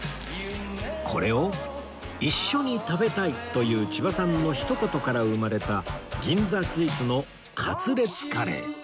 これを一緒に食べたいという千葉さんのひと言から生まれた銀座スイスのカツレツカレー